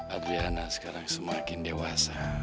adriana sekarang semakin dewasa